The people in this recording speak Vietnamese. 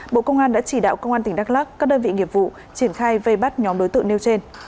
bộ công an đã chỉ đạo công an tỉnh đắk lắc các đơn vị nghiệp vụ triển khai vây bắt nhóm đối tượng nêu trên